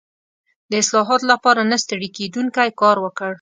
د اصلاحاتو لپاره نه ستړی کېدونکی کار وکړ.